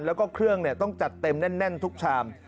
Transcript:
แล้วก็เครื่องต้องจัดเต็มแน่นทุกชาม